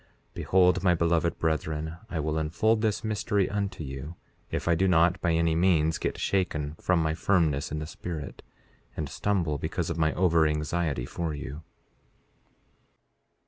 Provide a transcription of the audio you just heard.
4:18 Behold, my beloved brethren, I will unfold this mystery unto you; if I do not, by any means, get shaken from my firmness in the Spirit, and stumble because of my over anxiety for you.